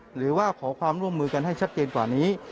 หรือว่าขอความร่วมมือกันให้ชัดเจนกว่านี้